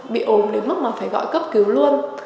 bị ồn đến mức mà phải gọi cấp cứu luôn